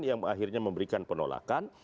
yang akhirnya memberikan penolakan